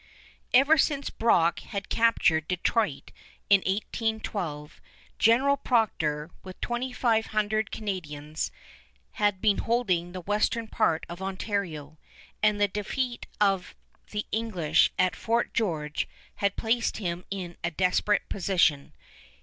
Ever since Brock had captured Detroit in 1812, General Procter, with twenty five hundred Canadians, had been holding the western part of Ontario; and the defeat of the English at Fort George had placed him in a desperate position.